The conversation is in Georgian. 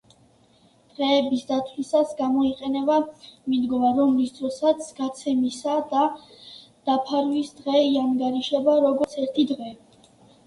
დღეების დათვლისას გამოიყენება მიდგომა, რომლის დროსაც გაცემისა და დაფარვის დღე იანგარიშება, როგორც ერთი დღე.